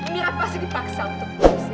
mila pasti dipaksa untuk menulis ini